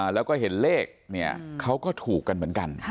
แล้วก็เห็นเลขเนี่ยเขาก็ถูกกันเหมือนกัน